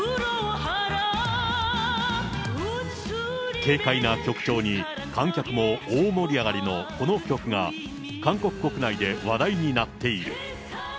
軽快な曲調に観客も大盛り上がりのこの曲が、韓国国内で話題になっている。